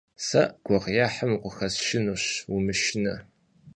Сэ гугъуехьым укъыхэсшынущ, умышынэ.